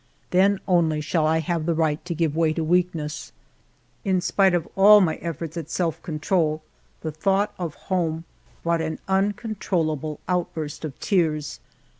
Then only shall I have the right to give way to weakness. In spite of all my efforts at self control, the thought of home brought an uncontrollable out burst of tears.